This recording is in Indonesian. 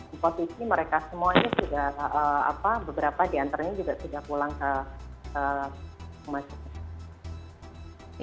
di posisi mereka semuanya sudah beberapa diantaranya sudah pulang ke masjid